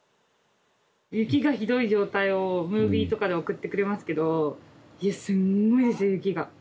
雪がひどい状態をムービーとかで送ってくれますけどいやすんごいですよ雪が。